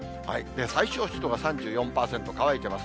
最小湿度が３４％、乾いてます。